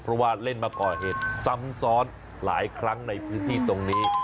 เพราะว่าเล่นมาก่อเหตุซ้ำซ้อนหลายครั้งในพื้นที่ตรงนี้